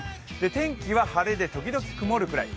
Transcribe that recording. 天気は晴れで時々曇るぐらい。